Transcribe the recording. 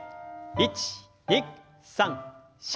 １２３４。